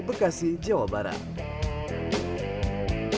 terima kasih ukub from lunak dari kach time